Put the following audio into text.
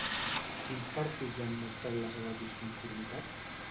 Quins partits han mostrat la seva disconformitat?